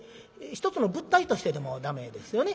一つの物体としてでも駄目ですよね。